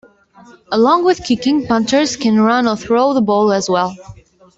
Along with kicking, punters can run or throw the ball as well.